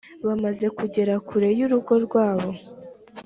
Bamaze kugera kure y urugo rwabo